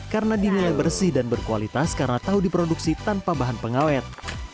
karena dinilai bersih dan berkualitas karena tahu diproduksi tanpa bahan pengawet